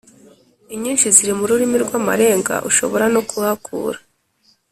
inyinshi ziri mu rurimi rw amarenga Ushobora no kuhakura